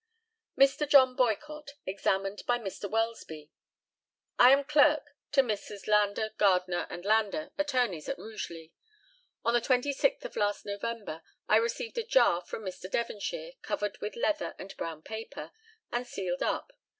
Mr. JOHN BOYCOTT, examined by Mr. WELSBY: I am clerk to Messrs. Landor, Gardner, and Landor, attorneys at Rugeley. On the 26th of last November, I received a jar from Mr. Devonshire, covered with leather and brown paper, and sealed up.